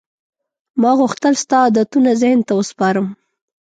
ما غوښتل ستا عادتونه ذهن ته وسپارم.